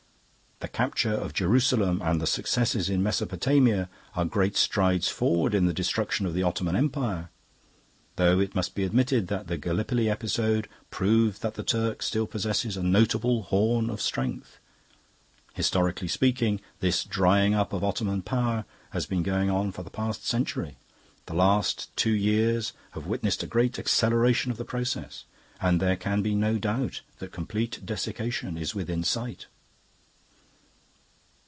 The capture of Jerusalem and the successes in Mesopotamia are great strides forward in the destruction of the Ottoman Empire; though it must be admitted that the Gallipoli episode proved that the Turk still possesses a 'notable horn' of strength. Historically speaking, this drying up of Ottoman power has been going on for the past century; the last two years have witnessed a great acceleration of the process, and there can be no doubt that complete desiccation is within sight.